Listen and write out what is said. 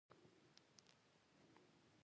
زه کورنۍ ته احترام لرم.